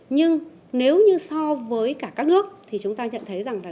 nhưng nếu như so với cả các nước thì chúng ta nhận thấy rằng là